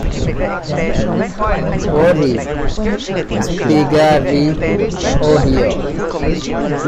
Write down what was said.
Vorrei spiegarvi, oh Dio!